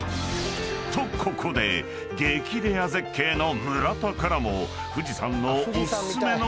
［とここで激レア絶景の村田からも］